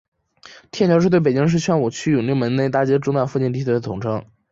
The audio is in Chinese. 天桥是对北京市宣武区永定门内大街中段附近地区的统称。